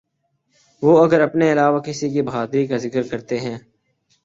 وہ اگر اپنے علاوہ کسی کی بہادری کا ذکر کرتے ہیں۔